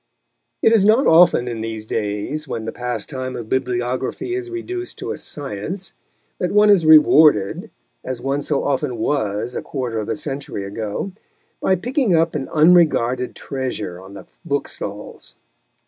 It is not often, in these days, when the pastime of bibliography is reduced to a science, that one is rewarded, as one so often was a quarter of a century ago, by picking up an unregarded treasure on the bookstalls.